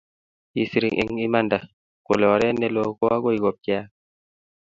kisiir eng imanda, kole oret neloo koagoi kopcheak